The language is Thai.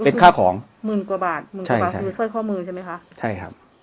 เป็นค่าของหมื่นกว่าบาทใช่ค่ะสร้อยข้อมือใช่ไหมคะใช่ครับ